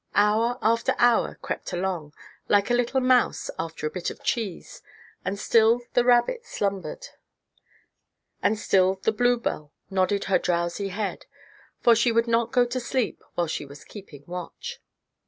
Hour after hour crept along, like a little mouse after a bit of cheese, and still the rabbit slumbered, and still the bluebell nodded her drowsy head, for she would not go to sleep while she was keeping watch.